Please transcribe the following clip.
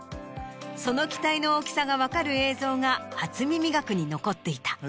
その期待の大きさが分かる映像が『初耳学』に残っていた。